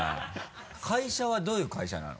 会社はどういう会社なの？